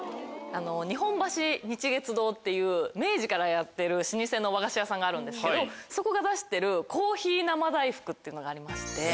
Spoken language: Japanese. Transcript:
「日本橋日月堂」っていう明治からやってる老舗の和菓子屋さんがあるんですけどそこが出してるコーヒー生大福っていうのがありまして。